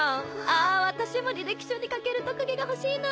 ああ私も履歴書に書ける特技が欲しいな。